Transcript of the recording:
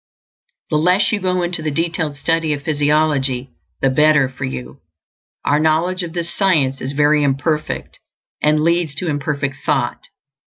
The less you go into the detailed study of physiology, the better for you. Our knowledge of this science is very imperfect, and leads to imperfect thought.